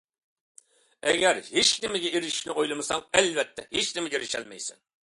ئەگەر ھېچنېمىگە ئېرىشىشنى ئويلىمىساڭ، ئەلۋەتتە ھېچنېمىگە ئېرىشەلمەيسەن.